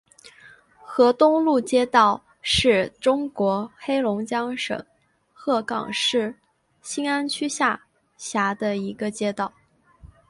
河东路街道是中国黑龙江省鹤岗市兴安区下辖的一个街道。